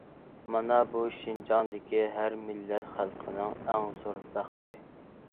مانا بۇ شىنجاڭدىكى ھەر مىللەت خەلقىنىڭ ئەڭ زور بەختى.